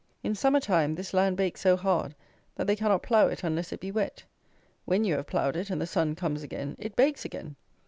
In summer time this land bakes so hard that they cannot plough it unless it be wet. When you have ploughed it, and the sun comes again, it bakes again.